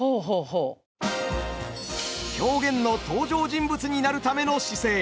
狂言の登場人物になるための姿勢